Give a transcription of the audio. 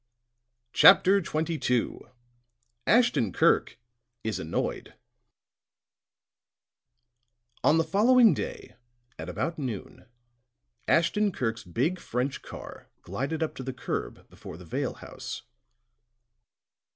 CHAPTER XXII ASHTON KIRK IS ANNOYED On the following day, at about noon, Ashton Kirk's big French car glided up to the curb before the Vale house.